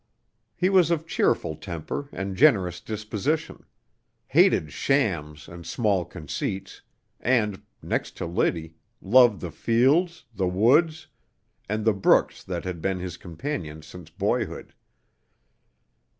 He was of cheerful temper and generous disposition; hated shams and small conceits, and next to Liddy loved the fields, the woods, and the brooks that had been his companions since boyhood.